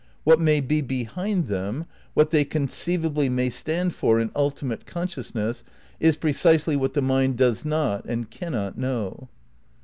What may be behind them, what they conceivably may stand for in ultimate consciousness, is precisely what the mind does not and cannot know.